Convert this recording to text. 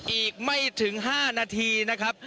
อีกไม่ถึง๕นาทีนะครับ